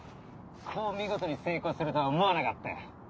こう見事に成功するとは思わなかったよ。